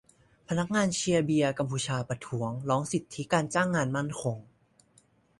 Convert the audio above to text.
พนักงานเชียร์เบียร์กัมพูชาประท้วงร้องสิทธิการจ้างงานมั่นคง